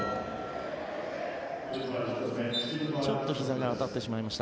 ちょっとひざが当たってしまいました。